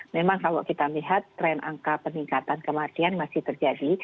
memang kalau kita lihat tren angka peningkatan kematian masih terjadi